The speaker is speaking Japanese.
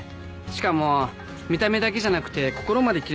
しかも見た目だけじゃなくて心まで奇麗な人